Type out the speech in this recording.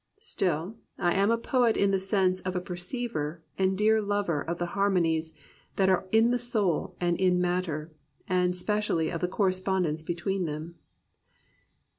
Still I am a poet in the sense of a perceiver and dear lover of the harmonies that are in the soul and in matter, and specially of the correspondence between them."